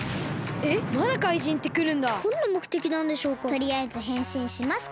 とりあえずへんしんしますか！